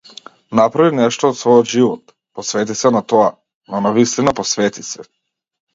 Направи нешто од својот живот, посвети се на тоа, но навистина посвети се.